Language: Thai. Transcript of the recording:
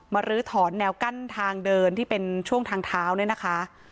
ลื้อถอนแนวกั้นทางเดินที่เป็นช่วงทางเท้าเนี่ยนะคะ